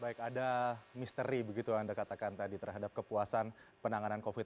baik ada misteri begitu yang anda katakan tadi terhadap kepuasan penanganan covid sembilan belas